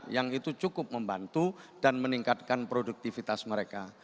yang itu cukup membantu dan meningkatkan produktivitas mereka